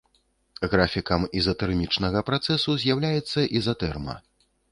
Графікам ізатэрмічнага працэсу з'яўляецца ізатэрма.